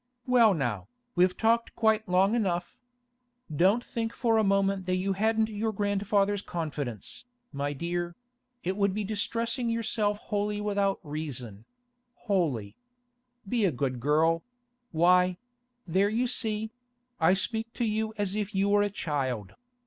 'Well now, we've talked quite long enough. Don't think for a moment that you hadn't your grandfather's confidence, my dear; it would be distressing yourself wholly without reason—wholly. Be a good girl—why, there you see; I speak to you as if you were a child.